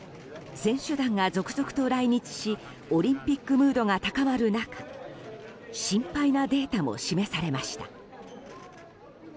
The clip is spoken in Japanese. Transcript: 選手団が続々と来日しオリンピックムードが高まる中心配なデータも示されました。